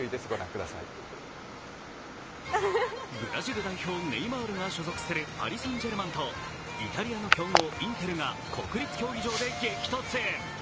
ブラジル代表ネイマールが所属するパリ・サン＝ジェルマンとイタリアの強豪インテルが国立競技場で激突。